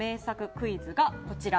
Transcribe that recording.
クイズがこちら。